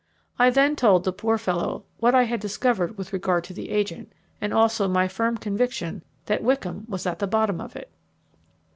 I then told the poor fellow what I had discovered with regard to the agent, and also my firm conviction that Wickham was at the bottom of it.